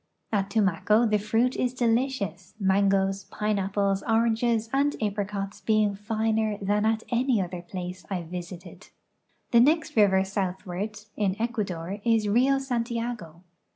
At Tumaco the fruit is delicious, mangoes, pineapples, oranges, and a})i'icots being finer than at any other place I visited. The next river southward (in Ecuador) is Rio Santiago.